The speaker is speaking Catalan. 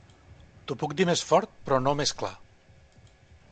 T'ho puc dir més fort però no més clar